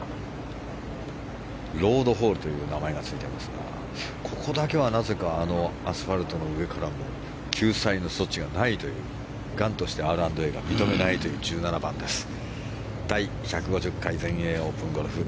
ロードホールという名前がついてますがここだけは、なぜかアスファルトの上からでも救済の措置がないという頑としてＲ＆Ａが認めないという１７番です。